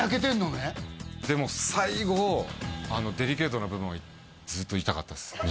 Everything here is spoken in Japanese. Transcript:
でも最後あのデリケートな部分はずっと痛かったです